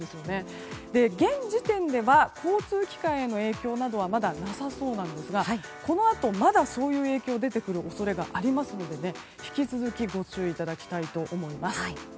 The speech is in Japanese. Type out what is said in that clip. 現時点では交通機関への影響はまだなさそうなんですがこのあとまだ、そういう影響が出てくる恐れがありますので引き続きご注意いただきたいと思います。